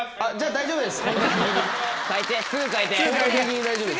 大丈夫です。